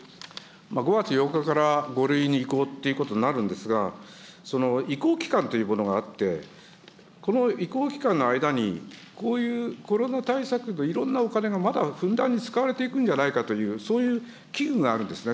５月８日から５類に移行ということになるんですが、その移行期間というものがあって、この移行期間の間に、こういうコロナ対策のいろんなお金がまだふんだんに使われていくんじゃないかという、そういう危惧があるんですね。